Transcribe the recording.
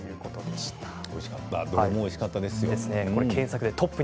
どれもおいしかったですよ。